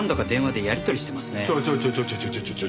ちょいちょいちょちょちょちょ。